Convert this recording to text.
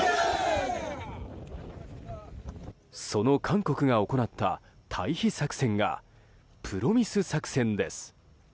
その韓国が行った退避作戦がプロミス作戦です。